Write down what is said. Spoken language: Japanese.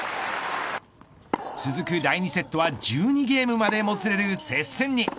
続く第２セットは１２ゲームまでもつれる接戦に。